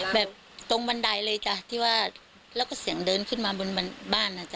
แบบตรงบันไดเลยจ้ะที่ว่าแล้วก็เสียงเดินขึ้นมาบนบ้านอ่ะจ๊